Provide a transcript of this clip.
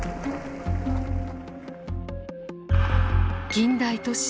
近代都市